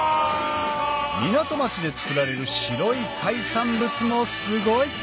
港町で作られる白い海産物もすごい！